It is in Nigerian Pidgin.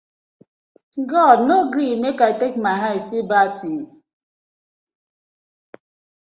God no gree mek I take my eye see bad tin.